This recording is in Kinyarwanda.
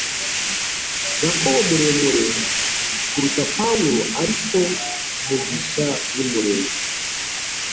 Yakobo muremure kuruta Pawulo, ariko Mugisha ni muremure